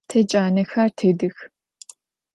Te canexer tedıx.